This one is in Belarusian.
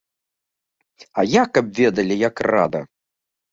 А я, каб ведалі, як рада!